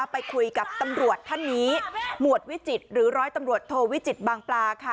ไปคุยกับตำรวจท่านนี้หมวดวิจิตรหรือร้อยตำรวจโทวิจิตบางปลาค่ะ